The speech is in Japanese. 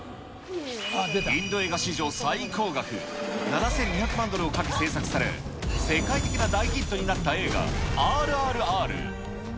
インド映画史上最高額、７２００万ドルをかけ製作され、世界的な大ヒットになった映画、ＲＲＲ。